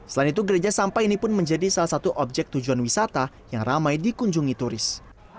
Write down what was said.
selain itu gereja sampah ini pun menjadi salah satu objek tujuan wisata yang ramai dikunjungi turis